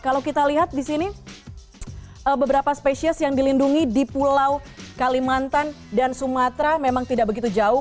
kalau kita lihat di sini beberapa spesies yang dilindungi di pulau kalimantan dan sumatera memang tidak begitu jauh